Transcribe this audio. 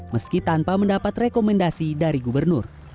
meski tanpa mendapat rekomendasi dari gubernur